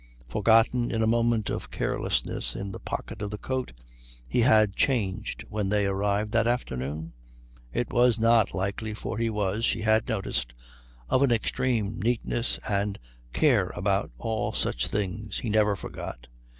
Forgotten in a moment of carelessness in the pocket of the coat he had changed when they arrived that afternoon? It was not likely, for he was, she had noticed, of an extreme neatness and care about all such things. He never forgot.